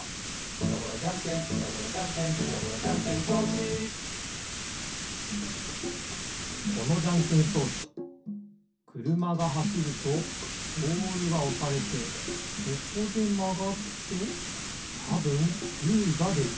「ピタゴラじゃんけんピタゴラじゃんけん」「ピタゴラじゃんけん装置」このじゃんけん装置くるまがはしるとボールがおされてここでまがってたぶんグーがでる。